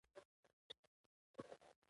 پانګه یې اوس یو سل پنځه ویشت میلیونه ده